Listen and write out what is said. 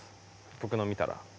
僕のを見たら。